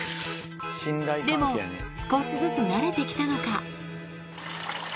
でも少しずつ慣れてきたのか。